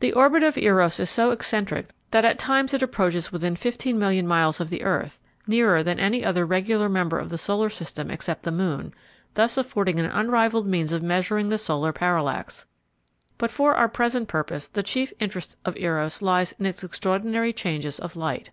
The orbit of Eros is so eccentric that at times it approaches within 15,000,000 miles of the earth, nearer than any other regular member of the solar system except the moon, thus affording an unrivaled means of measuring the solar parallax. But for our present purpose the chief interest of Eros lies in its extraordinary changes of light.